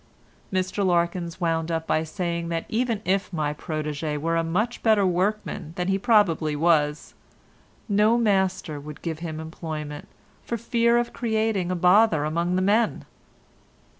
Mr Larkins wound up by saying that even if my protégé were a much better workman than he probably was, no master would give him employment, for fear of creating a bother among the men.